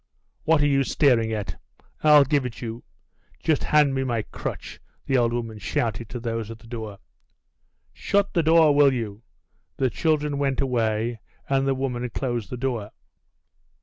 "What are you staring at? I'll give it you. Just hand me my crutch," the old woman shouted to those at the door. "Shut the door, will you!" The children went away, and the woman closed the door.